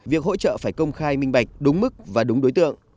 việc hỗ trợ phải công khai minh bạch đúng mức và đúng đối tượng